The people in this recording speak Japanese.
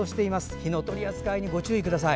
火の取り扱いにご注意ください。